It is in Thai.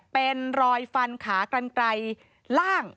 เป็นรอยฟันขากันไกลล่าง